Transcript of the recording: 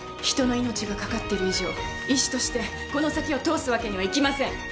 人の命がかかっている以上医師としてこの先へは通すわけにはいきません。